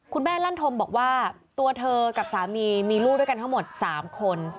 ลั่นธมบอกว่าตัวเธอกับสามีมีลูกด้วยกันทั้งหมด๓คน